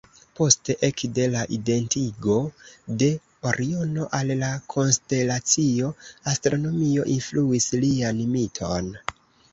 Poste, ekde la identigo de Oriono al la konstelacio, astronomio influis lian miton.